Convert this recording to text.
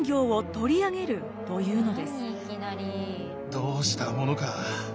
どうしたものか。